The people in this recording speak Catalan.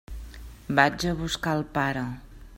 Vaig a buscar el pare.